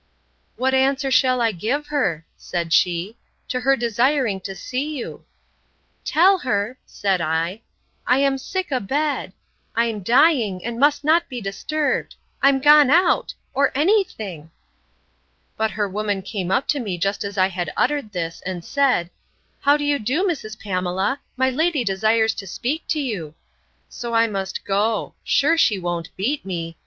What answer shall I give her, said she, to her desiring to see you?—Tell her, said I, I am sick a bed; I'm dying, and must not be disturbed; I'm gone out—or any thing. But her woman came up to me just as I had uttered this, and said, How do you do, Mrs. Pamela? My lady desires to speak to you. So I must go.—Sure she won't beat me!